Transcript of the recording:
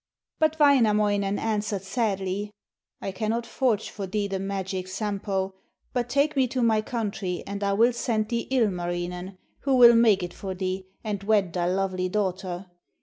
But Wainamoinen answered sadly: 'I cannot forge for thee the magic Sampo, but take me to my country and I will send thee Ilmarinen, who will make it for thee, and wed thy lovely daughter.